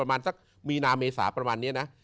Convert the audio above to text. ประมาณสักมีนาเมษาประมาณนี้นะ